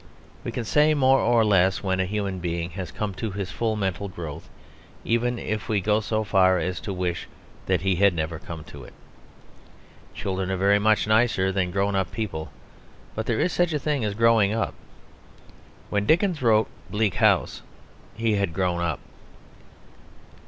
We can say more or less when a human being has come to his full mental growth, even if we go so far as to wish that he had never come to it. Children are very much nicer than grown up people; but there is such a thing as growing up. When Dickens wrote Bleak House he had grown up.